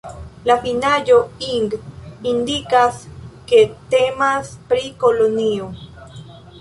La finaĵo -ing indikas ke temas pri kolonio.